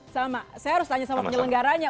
sama saya harus tanya sama penyelenggaranya